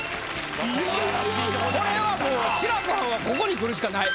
これはもう志らくはんはここにくるしかない。